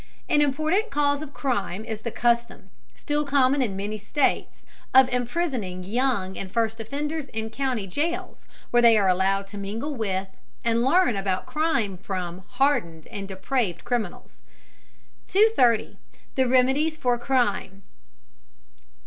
An important cause of crime is the custom, still common in many states, of imprisoning young and first offenders in county jails, where they are allowed to mingle with, and learn about crime from, hardened and depraved criminals. 230. THE REMEDIES FOR CRIME.